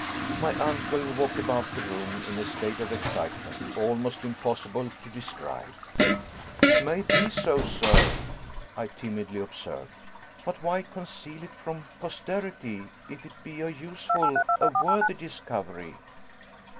My uncle walked about the room in a state of excitement almost impossible to describe. "It may be so, sir," I timidly observed, "but why conceal it from posterity, if it be a useful, a worthy discovery?"